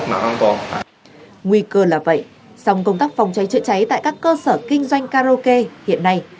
nguy cơ là vậy song công tác phòng cháy chữa cháy tại các cơ sở kinh doanh karaoke hiện nay